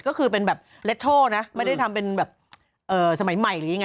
ก็คือเป็นแบบเล็ดโทนะไม่ได้ทำเป็นแบบสมัยใหม่หรือยังไง